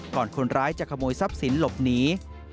คนร้ายจะขโมยทรัพย์สินหลบหนี